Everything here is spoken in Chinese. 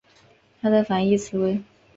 它的反义词为。